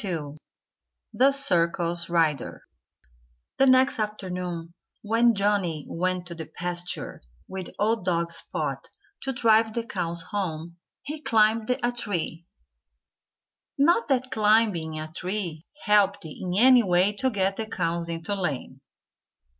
XXII THE CIRCUS RIDER The next afternoon, when Johnnie went to the pasture with old dog Spot to drive the cows home, he climbed a tree not that climbing a tree helped in any way to get the cows into the lane!